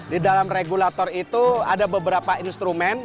di dalam regulator itu ada beberapa instrumen